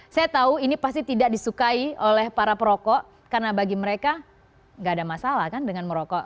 saya tahu ini pasti tidak disukai oleh para perokok karena bagi mereka nggak ada masalah kan dengan merokok